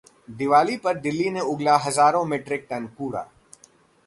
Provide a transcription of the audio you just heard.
दिवाली पर दिल्ली ने उगला हजारों मीट्रिक टन कूड़ा